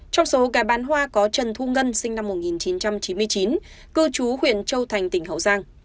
trong số cá bán hoa có trần thu ngân sinh năm một nghìn chín trăm chín mươi chín cư trú huyện châu thành tỉnh hậu giang